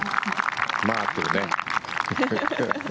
合ってるね。